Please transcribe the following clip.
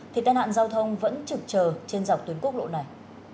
thì tai nạn giao thông vẫn trực chờ trên dọc tuyến quốc lộ này